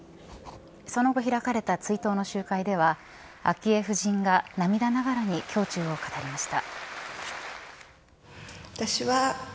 その後開かれた追悼の集会では、昭恵夫人が涙ながらに胸中を語りました。